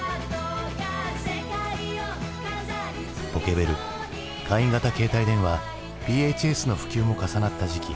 ポケベル簡易型携帯電話ＰＨＳの普及も重なった時期。